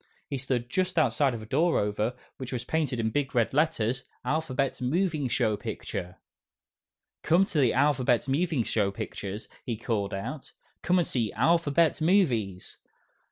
He stood just outside of a door over which was printed in big red letters, "ALPHABET MOVING PICTURE SHOW" "Come to the 'Alphabet Moving Pictures,'" he called out. "Come and see 'Alphabet Movies'!"